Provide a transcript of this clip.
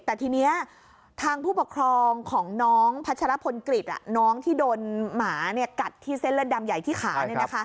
แต่ทีนี้ทางผู้ปกครองของน้องพัชรพลกฤษน้องที่โดนหมากัดที่เส้นเลือดดำใหญ่ที่ขา